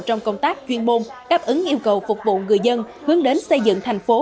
trong công tác chuyên môn đáp ứng yêu cầu phục vụ người dân hướng đến xây dựng thành phố